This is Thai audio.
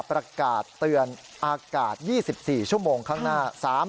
ประกาศเตือนอากาศ๒๔ชั่วโมงข้างหน้า